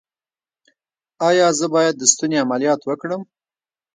ایا زه باید د ستوني عملیات وکړم؟